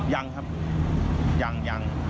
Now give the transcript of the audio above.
ยังครับยังยัง